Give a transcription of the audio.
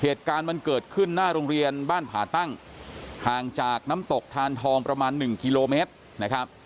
เหตุการณ์มันเกิดขึ้นหน้าโรงเรียนบ้านผ่าตั้งห่างจากน้ำตกทานทองประมาณหนึ่งกิโลเมตรนะครับ